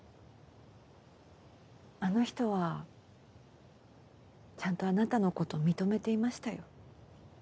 あの人はちゃんとあなたのこと認めていましたよ。